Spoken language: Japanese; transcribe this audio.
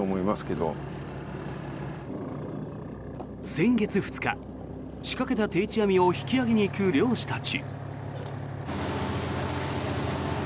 先月２日、仕掛けた定置網を引き揚げに行く漁師たち。